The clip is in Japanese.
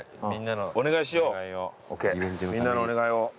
みんなのお願いを。